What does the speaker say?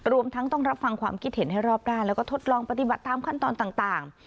รวมทั้งต้องรับฟังความคิดเห็นให้รอบด้านแล้วก็ทดลองปฏิบัติตามขั้นตอนต่าง